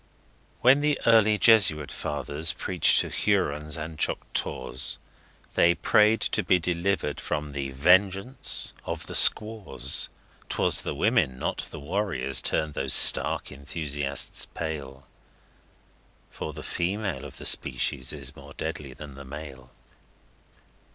When the early Jesuit fathers preached to Hurons and Choctaws, They prayed to be delivered from the vengeance of the squaws 'Twas the women, not the warriors, turned those stark enthusiasts pale For the female of the species is more deadly than the male.